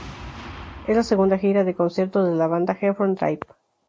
Es la segunda gira de conciertos de la banda Heffron Drive.